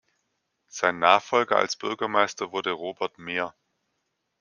Sein Nachfolger als Bürgermeister wurde Robert Mehr.